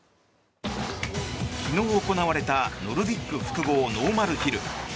昨日行われたノルディック複合ノーマルヒル。